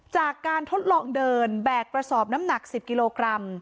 จากการทดลองเดินแบกกระสอบน้ำหนัก๑๐กิโลกรัม